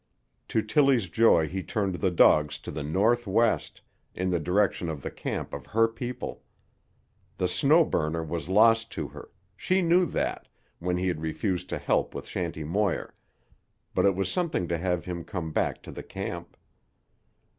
To Tillie's joy he turned the dogs to the northwest, in the direction of the camp of her people. The Snow Burner was lost to her; she knew that, when he had refused her help with Shanty Moir; but it was something to have him come back to the camp.